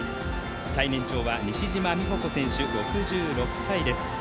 最年長は西島美保子選手６６歳です。